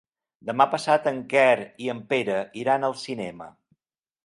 Demà passat en Quer i en Pere iran al cinema.